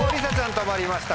止まりました。